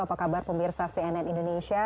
apa kabar pemirsa cnn indonesia